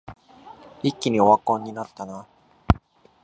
一気にオワコンになったな